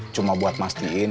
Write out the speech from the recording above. cuma buat mastiin